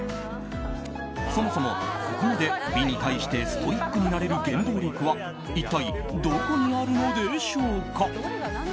そもそも、ここまで美に対してストイックになれる原動力は一体どこにあるのでしょうか。